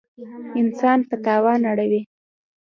انسان په تاوان اړوي.